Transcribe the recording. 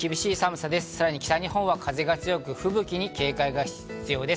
さらに北日本は風が強く吹雪に警戒が必要です。